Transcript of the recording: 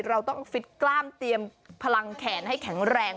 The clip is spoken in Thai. เราต้องฟิตกล้ามเตรียมพลังแขนให้แข็งแรง